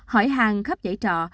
hỏi hàng khắp giải trọ